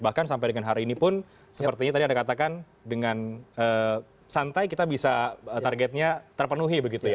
bahkan sampai dengan hari ini pun sepertinya tadi anda katakan dengan santai kita bisa targetnya terpenuhi begitu ya